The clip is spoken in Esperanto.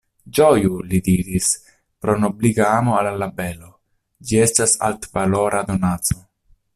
Ĝoju, li diris, pro nobliga amo al la belo; ĝi estas altvalora donaco.